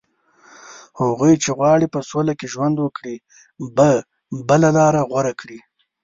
هغوی چې غواړي په سوله کې ژوند وکړي، به بله لاره غوره کړي